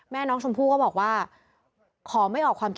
ทั้งหลวงผู้ลิ้น